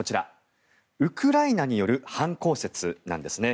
ウクライナによる犯行説なんですね。